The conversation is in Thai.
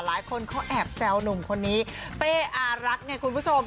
หลายคนเขาแอบแซวหนุ่มคนนี้เป้อารักไงคุณผู้ชม